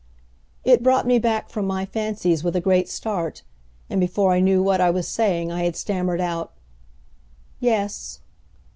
It brought me back from my fancies with a great start, and before I knew what I was saying I had stammered out, "Yes."